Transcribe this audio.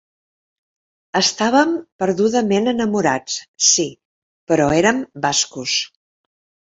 Estàvem perdudament enamorats, sí, però érem bascos.